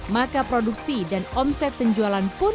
maka produksi dan omset penjualan minyak goreng